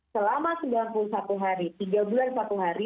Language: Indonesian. selama sembilan puluh satu hari tiga bulan satu hari